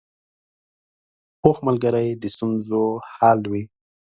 پوخ ملګری د ستونزو حل وي